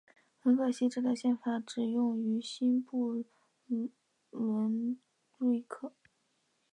很可惜这条宪法只适用于新不伦瑞克。